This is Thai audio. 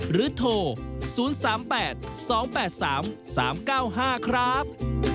โทร๐๓๘๒๘๓๓๙๕ครับ